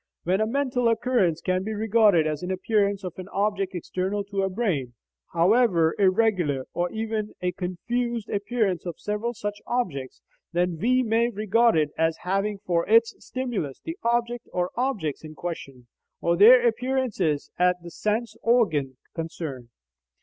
When a mental occurrence can be regarded as an appearance of an object external to the brain, however irregular, or even as a confused appearance of several such objects, then we may regard it as having for its stimulus the object or objects in question, or their appearances at the sense organ concerned.